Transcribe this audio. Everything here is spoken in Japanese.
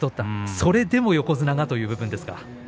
それでも横綱がということですか。